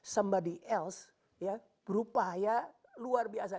somebody else ya berupaya luar biasa